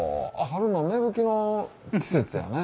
春の芽吹きの季節やね。